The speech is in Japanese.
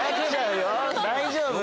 大丈夫？